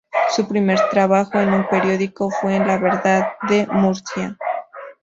Su primer trabajo en un periódico fue en La Verdad, de Murcia.